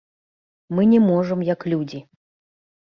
Мы не можам, як людзі.